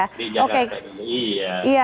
di jakarta dulu iya